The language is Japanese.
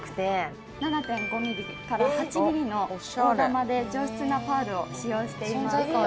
７．５ミリから８ミリの大玉で上質なパールを使用しています。